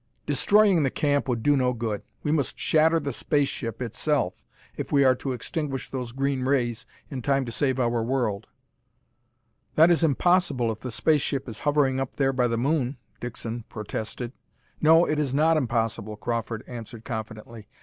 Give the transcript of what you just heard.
"Destroying the camp would do no good. We must shatter the space ship itself if we are to extinguish those green rays in time to save our world." "That is impossible if the space ship is hovering up there by the moon!" Dixon protested. "No, it is not impossible," Crawford answered confidently.